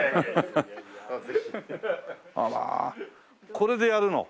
これでやるの？